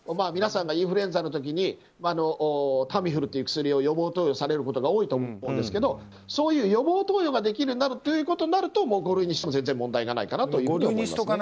皆さんがインフルエンザの時にタミフルという薬を予防投与されることが多いと思うんですがそういう予防投与ができるということになれば五類にしても問題がないかなと思いますね。